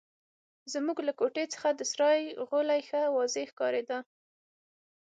زموږ له کوټې څخه د سرای غولی ښه واضح ښکارېده.